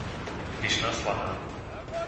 Vyšná Slaná